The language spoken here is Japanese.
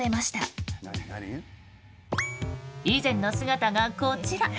以前の姿がこちら。